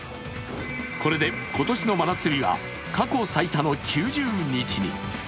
これで今年の真夏日は過去最多の９０日に。